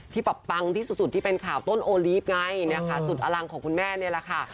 ที่ปรับปังที่สุดที่เป็นขาวต้นโอลีฟไงนะคะสุดอลังของคุณแม่เนี่ยแหละค่ะ